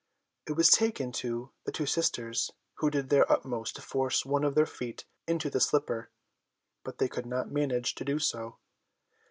It was taken to the two sisters, who did their utmost to force one of their feet into the slipper, but they could not manage to do so.